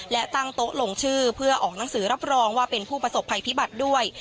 และตั้งโต๊ะลงชื่อเพื่อออกหนังสือรับรองว่าเป็นผู้ประสบภัยพิบัติด้วย